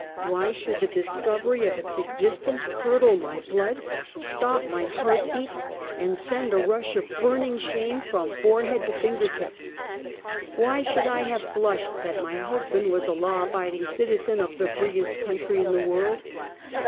Why should the discovery of_its existence curdle my blood, stop my heart beats, and send a rush of burning shame from forehead to finger tip? "Why should I have blushed that my hus band was a law abiding citizen of the freest country in the world?